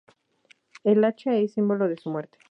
El hacha es símbolo de su muerte.